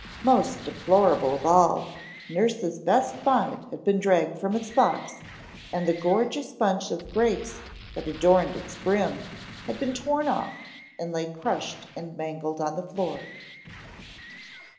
Most deplorable of all, nurse's best bonnet had been dragged from its box and the gorgeous bunch of grapes that adorned its brim had been torn off and lay crushed and mangled on the floor.